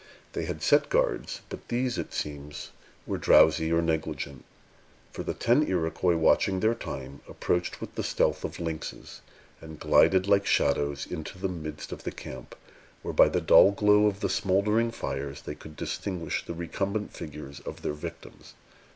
They had set guards: but these, it seems, were drowsy or negligent; for the ten Iroquois, watching their time, approached with the stealth of lynxes, and glided like shadows into the midst of the camp, where, by the dull glow of the smouldering fires, they could distinguish the recumbent figures of their victims.